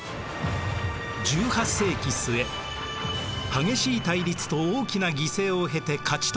１８世紀末激しい対立と大きな犠牲を経て勝ち取った権利です。